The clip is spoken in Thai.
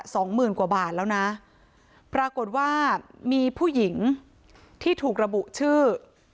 สองหมื่นกว่าบาทแล้วนะปรากฏว่ามีผู้หญิงที่ถูกระบุชื่อ